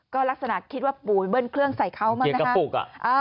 ก็ลักษณะคิดว่าปูเบิ้ลเครื่องใส่เขามาก